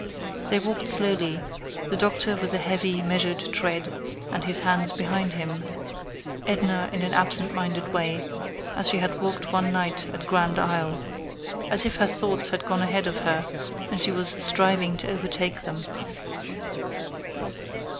They walked slowly, the Doctor with a heavy, measured tread and his hands behind him; Edna, in an absent minded way, as she had walked one night at Grand Isle, as if her thoughts had gone ahead of her and she was striving to overtake them.